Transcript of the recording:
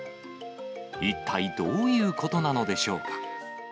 一体どういうことなのでしょうか。